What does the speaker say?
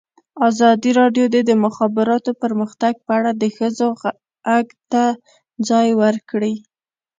ازادي راډیو د د مخابراتو پرمختګ په اړه د ښځو غږ ته ځای ورکړی.